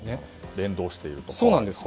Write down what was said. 連動していると。